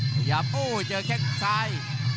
พยายามโอ้เจอแข้งซ้าย